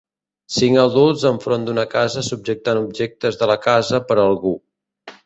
Cinc adults enfront d'una casa subjectant objectes de la casa per a algú.